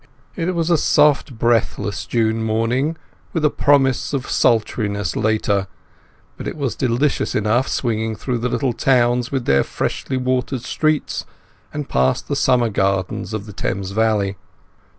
It was a soft breathless June morning, with a promise of sultriness later, but it was delicious enough swinging through the little towns with their freshly watered streets, and past the summer gardens of the Thames valley.